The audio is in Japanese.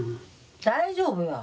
大丈夫や。